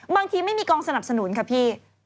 ไม่มีกองสนับสนุนค่ะพี่